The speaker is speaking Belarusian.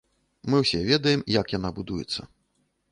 Мы ўсе ведаем, як яна будуецца.